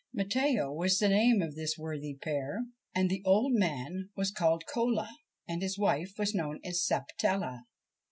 Matteo was the name of this worthy pair, and the old man was called Cola and his wife was known as Sapatella.